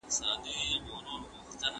بدګوماني پیدا سوې ده.